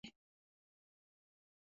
د جوارو غوړي د زړه لپاره وکاروئ